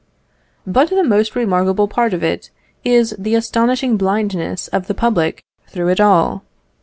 But the most remarkable part of it is the astonishing blindness of the public through it all.